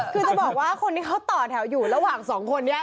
คือจะบอกว่าคนที่เขาต่อแถวอยู่ระหว่างสองคนนี้